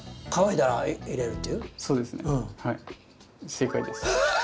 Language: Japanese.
正解です。